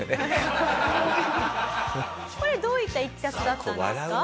これどういったいきさつだったんですか？